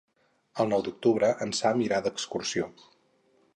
El nou d'octubre en Sam irà d'excursió.